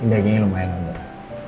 ini dagingnya lumayan mudah